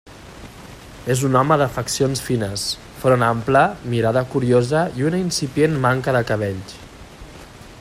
És un home de faccions fines, front ample, mirada curiosa i una incipient manca de cabells.